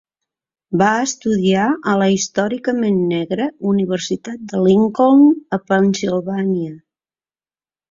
Va estudiar a la històricament negra Universitat de Lincoln a Pennsilvània.